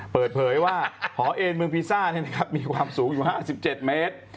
เปิดเผยว่าหอเอนเมืองพีซ่ามีความสูงอยู่๕๗เมตร